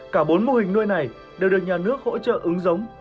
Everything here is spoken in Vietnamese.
cả bốn mô hình nuôi này đều được nhà nước hỗ trợ ứng giống